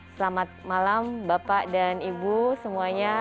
selamat malam bapak dan ibu semuanya